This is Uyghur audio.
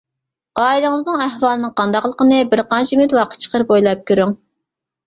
ئائىلىڭىزنىڭ ئەھۋالىنىڭ قانداقلىقىنى بىرقانچە مىنۇت ۋاقىت چىقىرىپ ئويلاپ كۆرۈڭ.